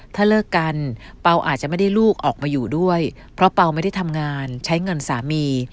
ถ้าเลิกกันเปล่าอาจจะไม่ได้ลูกออกมาอยู่ด้วยเพราะเปล่าไม่ได้ทำงานใช้เงินสามี